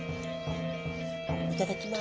いただきます。